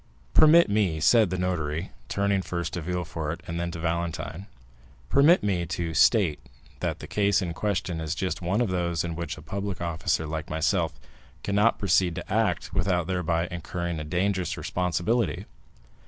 "Permit me," said the notary, turning first to Villefort and then to Valentine—"permit me to state that the case in question is just one of those in which a public officer like myself cannot proceed to act without thereby incurring a dangerous responsibility.